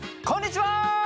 こんにちは！